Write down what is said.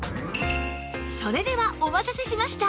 それではお待たせしました！